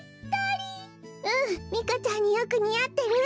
うんミカちゃんによくにあってる。